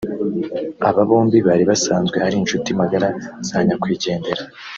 aba bombi bari basanzwe ari inshuti magara za nyakwigendera